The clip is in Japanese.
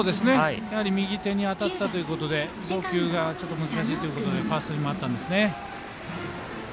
右手に当たったということで送球が難しいということでファーストに回ったんですね。